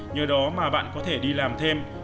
nhờ đó mà bạn có thể đi làm thêm